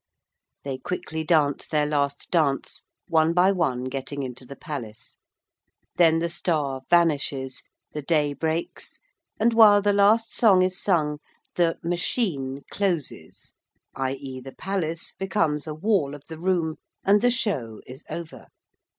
They quickly dance their last dance, one by one getting into the Palace. Then the Star vanishes, the day breaks, and while the last song is sung the 'machine closes' i.e. the Palace becomes a wall of the room and the show is over.